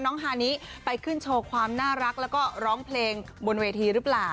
ฮานิไปขึ้นโชว์ความน่ารักแล้วก็ร้องเพลงบนเวทีหรือเปล่า